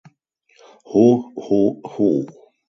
Ho ho ho!